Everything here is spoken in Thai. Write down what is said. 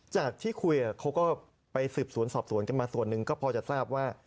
จากที่คุยเขาก็ไปสืบสวนสอบสวนกันมาส่วนหนึ่งก็พอจะทราบว่า